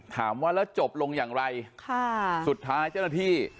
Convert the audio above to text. ถามว่าแล้วจบลงอย่างไรค่ะสุดท้ายเจ้าหน้าที่